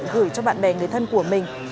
gửi cho bạn bè người thân của mình